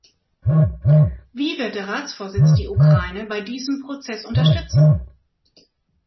Wie wird der Ratsvorsitz die Ukraine bei diesem Prozess unterstützen?